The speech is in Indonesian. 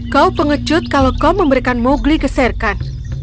kau pengecut kalau kau memberikan mowgli ke serkan